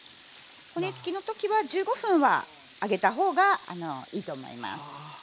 骨付きの時は１５分は揚げた方がいいと思います。